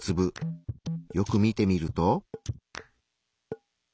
よく見てみると。